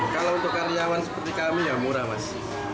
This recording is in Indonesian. kalau untuk karyawan seperti kami ya murah mas